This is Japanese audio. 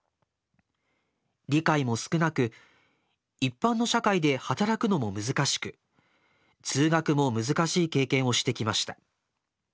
理解も少なく一般の社会で働くのも難しく通学も難しい経験をしてきました。